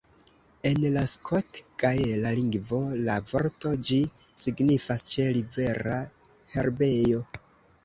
En la skot-gaela lingvo la vorto ĝi signifas "ĉe-rivera herbejo".